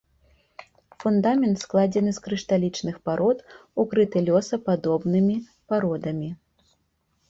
Фундамент складзены з крышталічных парод, укрыты лёсападобнымі пародамі.